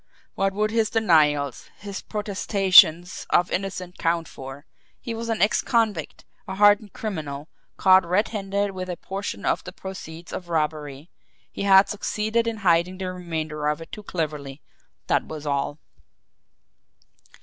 What would his denials, his protestations of innocence count for? He was an ex convict, a hardened criminal caught red handed with a portion of the proceeds of robbery he had succeeded in hiding the remainder of it too cleverly, that was all."